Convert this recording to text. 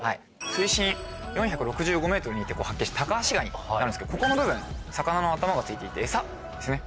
水深４６５ｍにて発見したタカアシガニになるんですけどここの部分魚の頭がついていてエサですね。